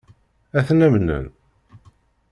Ad ten-amnen?